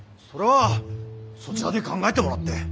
それはそちらで考えてもらって。